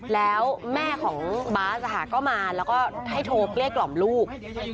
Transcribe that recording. แล้วแม่ของบ๊าจะหาก็มาแล้วก็ให้โทษเรียกกล่อมลูก